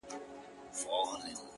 • که مي د دې وطن له کاڼي هم کالي څنډلي؛